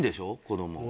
子供。